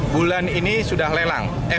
bulan ini sudah lelang eh sudah